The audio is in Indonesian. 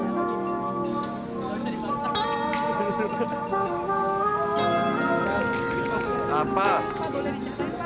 mulai cepat pak lima menit pak